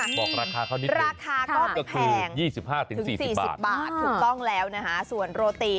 บอกราคาเข้านิดหนึ่งก็คือ๒๕๔๐บาทถูกต้องแล้วนะฮะส่วนโรตี